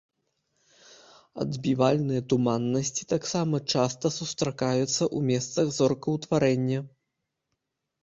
Адбівальныя туманнасці таксама часта сустракаюцца ў месцах зоркаўтварэння.